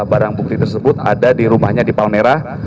barang bukti tersebut ada di rumahnya di palmerah